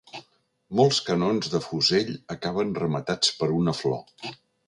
Molts canons de fusell acaben rematats per una flor.